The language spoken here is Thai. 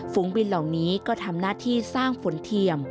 บินเหล่านี้ก็ทำหน้าที่สร้างฝนเทียม